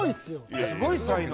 すごい才能